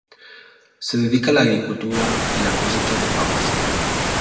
Se dedica a la agricultura y la cosecha de papas.